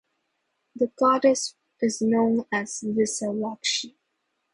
The Goddess is known as Visalakshi.